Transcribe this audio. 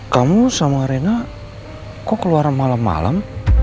kamu sama rena kok keluar malam malam